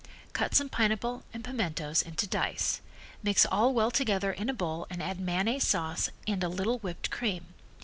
Cut some pineapple and pimentoes into dice. Mix all well together in a bowl and add mayonnaise sauce and a little whipped cream.